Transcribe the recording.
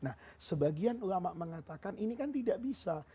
nah sebagian ulama mengatakan ini kan tidak bisa